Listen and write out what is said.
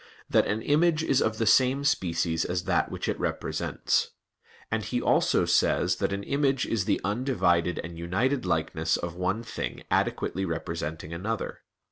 that "an image is of the same species as that which it represents"; and he also says that "an image is the undivided and united likeness of one thing adequately representing another."